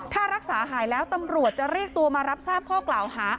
ถ้ารักษาหายแล้วตำรวจจะเรียกตัวมารับทราบข้อกล่าวหา